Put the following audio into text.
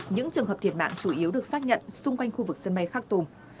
những trường hợp thiệt mạng chủ yếu được xác nhận xung quanh khu vực sân bay khak tum